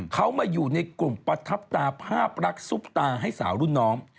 เขามาอยู่ในกลุ่มประทับตาภาพรักซุปตาให้สาวรุ่นน้อง